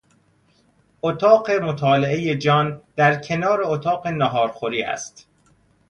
اتاق مطالعهی جان در کنار اتاق ناهار خوری است.